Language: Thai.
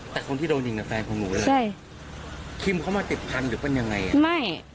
แต่คนที่โดนยิงน่ะแฟนของหนูเลยใช่คิมเขามาติดพันธุ์หรือเป็นยังไงอ่ะไม่